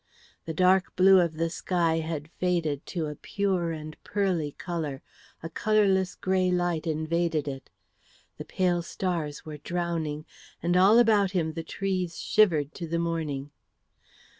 The dark blue of the sky had faded to a pure and pearly colour; a colourless grey light invaded it; the pale stars were drowning; and all about him the trees shivered to the morning.